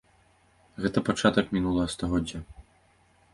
Гэта пачатак мінулага стагоддзя.